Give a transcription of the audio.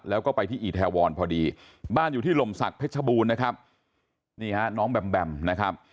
แล้วก็ไปที่อีแทวรพอดีบ้านอยู่ที่ลมศักดิเพชรบูรณ์นะครับนี่ฮะน้องแบมแบมนะครับ